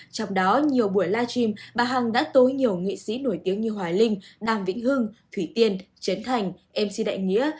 trong đó nhiều buổi live stream bà hằng đã tối nhiều nghị sĩ nổi tiếng như hòa linh đàm vĩnh hưng thủy tiên trấn thành mc đại nghĩa